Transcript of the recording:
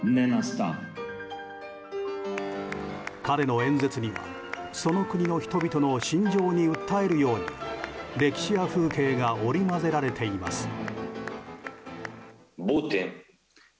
彼の演説には、その国の人々の心情に訴えるように歴史や風景が織り交ぜられています。